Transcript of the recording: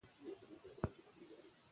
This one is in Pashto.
چار مغز د افغانستان د طبیعت برخه ده.